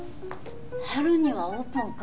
春にはオープンか。